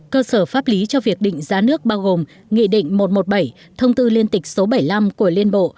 cơ sở pháp lý cho việc định giá nước bao gồm nghị định một trăm một mươi bảy thông tư liên tịch số bảy mươi năm của liên bộ